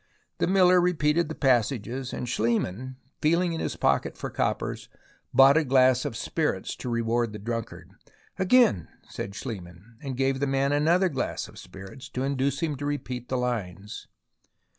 The miller repeated the passages, and Schliemann, feeling in his pocket for coppers, bought a glass of spirits to reward the drunkard, " Again," said Schliemann, and gave the man another glass of spirits to induce him to repeat the lines.